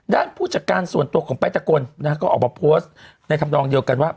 ด้านผู้จัดการส่วนตัวของไปร์ตะกนก็ออกมาโพสต์ในทำรองเดียวกันว่า